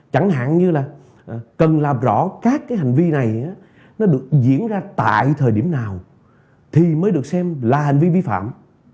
chẳng hạn như là cần làm rõ các cái hành vi này nó được diễn ra tại thời điểm nào thì mới được xem là hành vi vi phạm